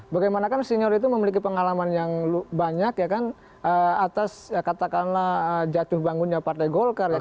bagaimana kan senior itu memiliki pengalaman yang banyak ya kan atas katakanlah jatuh bangunnya partai golkar ya